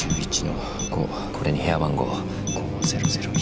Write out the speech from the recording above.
これに部屋番号５００１。